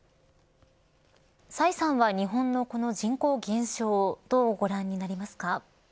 崔さんは、日本のこの人口減少をどうご覧になりますか。